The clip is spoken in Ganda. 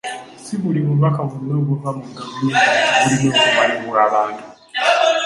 Si buli bubaka bwonna obuva mu gavumenti nti bulina okumanyibwa abantu.